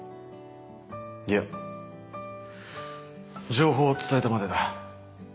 いや情報を伝えたまでだ。